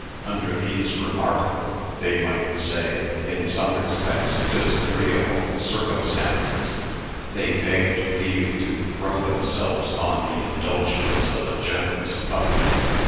Under these remarkable they might say, in some respects, disagreeable circumstances, they begged leave to throw themselves on the indulgence of a generous public.